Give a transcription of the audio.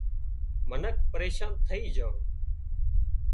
منک پريشان ٿئي جھان